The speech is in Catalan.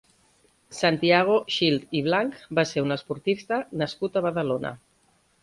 Santiago Schilt i Blanch va ser un esportista nascut a Badalona.